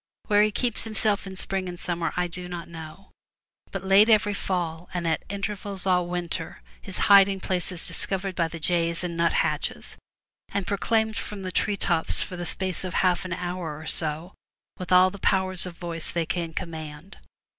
Where he keeps himself in spring and summer I do not know, but late every fall, and at intervals all winter, his hiding place is discovered by the jays and nut hatches, and proclaimed from the tree tops for the space of half an hour or so, with all the powers of voice they can command.